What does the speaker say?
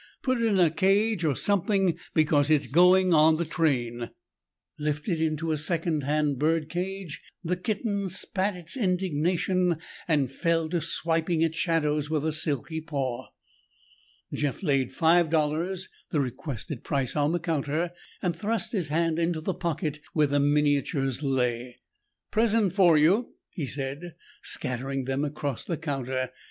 "Put it in a cage or something because it's going on the train!" Lifted into a second hand bird cage, the kitten spat its indignation and fell to swiping at shadows with a silky paw. Jeff laid five dollars, the requested price, on the counter and thrust his hand into the pocket where the miniatures lay. "Present for you," he said, scattering them across the counter.